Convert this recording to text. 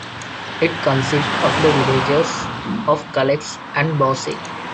It consists of the villages of Collex and Bossy.